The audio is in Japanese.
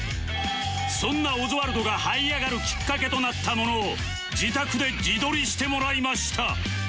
そんなオズワルドが這い上がるきっかけとなったものを自宅で自撮りしてもらいました